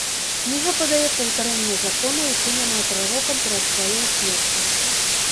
Кніга падае паўтарэнне закону, учыненае прарокам перад сваёй смерцю.